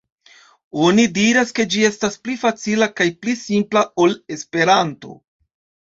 Oni diras, ke ĝi estas pli facila kaj pli simpla ol Esperanto.